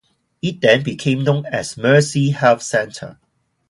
It then became known as Mercy Health Center.